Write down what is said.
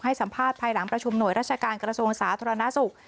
สัมภาษณ์ภายหลังประชุมหน่วยราชการกระทรวงสาธารณสุข